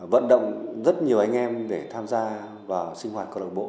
vận động rất nhiều anh em để tham gia vào sinh hoạt câu lạc bộ